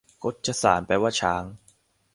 คชสาร แปลว่าช้าง